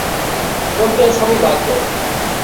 বলত, এ সবই ভাগ্য।